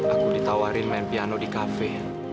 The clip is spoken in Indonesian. aku ditawarin main piano di kafe